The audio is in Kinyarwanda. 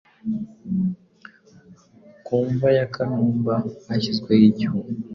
Ku mva ya Kanumba hashyizweho icyuma